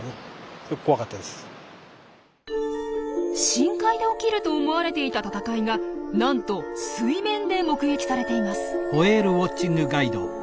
深海で起きると思われていた闘いがなんと「水面」で目撃されています。